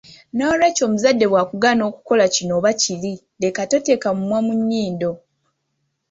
Nolwekyo omuzadde bwakugaana okukola kino oba kiri leka kuteeka mumwa mu nnyindo.